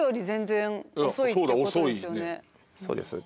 そうです。